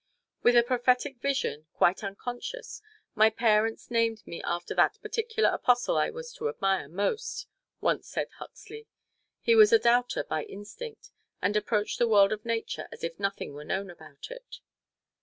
"With a prophetic vision, quite unconscious, my parents named me after that particular apostle I was to admire most," once said Huxley. He was a doubter by instinct, and approached the world of Nature as if nothing were known about it.